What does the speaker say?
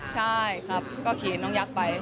ใช่ครับก็ขี่น้องยักษ์ไป